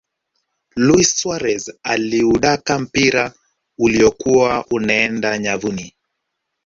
luis suarez aliudaka mpira uliyokuwa unaeenda nyavuni